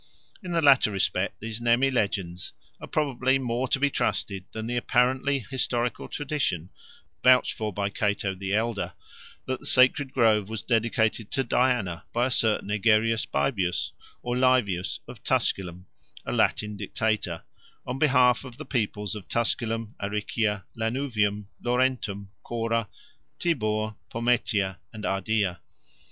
In the latter respect these Nemi legends are probably more to be trusted than the apparently historical tradition, vouched for by Cato the Elder, that the sacred grove was dedicated to Diana by a certain Egerius Baebius or Laevius of Tusculum, a Latin dictator, on behalf of the peoples of Tusculum, Aricia, Lanuvium, Laurentum, Cora, Tibur, Pometia, and Ardea.